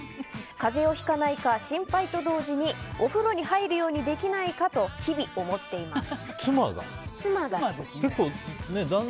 風邪をひかないから心配と同時にお風呂に入るようにできないかと日々思っています。